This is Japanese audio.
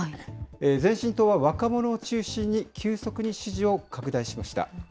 前進党は若者を中心に急速に支持を拡大しました。